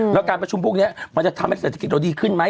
แล้วการประชุมพวกนี้มันจะทำให้เศรษฐกิจเราดีขึ้นไหม